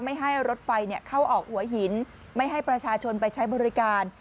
ไม่ให้รถไฟเข้าออกหัวหินไม่ให้ประชาชนไปใช้บริการ